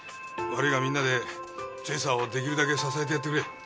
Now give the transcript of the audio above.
悪いがみんなでチェイサーをできるだけ支えてやってくれ。